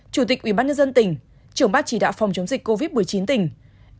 chủ tịch ubnd tỉnh trưởng bác chỉ đạo phòng chống dịch covid một mươi chín tỉnh